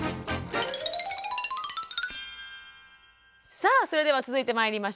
さあそれでは続いてまいりましょう。